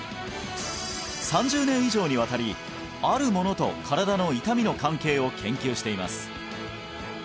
３０年以上にわたりあるものと身体の痛みの関係を研究しています